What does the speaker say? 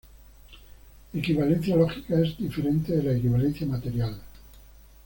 Equivalencia lógica es diferente de la equivalencia material.